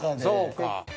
そうか。